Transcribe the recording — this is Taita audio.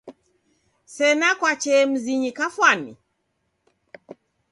Sena kwachee mzinyi kafwani?